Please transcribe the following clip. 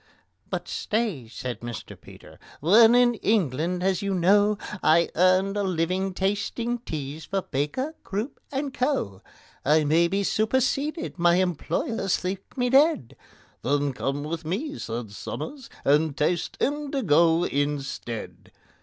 "But stay," said Mr. PETER: "when in England, as you know, I earned a living tasting teas for BAKER, CROOP, AND CO., I may be superseded—my employers think me dead!" "Then come with me," said SOMERS, "and taste indigo instead."